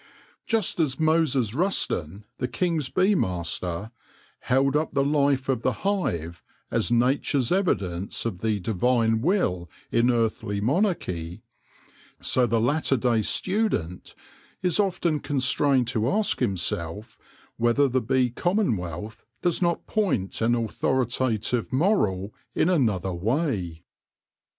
Just as Moses Rusden, the King's bee master, held up the life of the hive as Nature's evidence of the Divine will in earthly monarchy, so the latter day student is often constrained to ask himself whether the bee commonwealth does not point an authorita tive moral in another way.